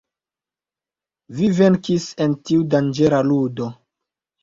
Vi venkis en tiu danĝera ludo.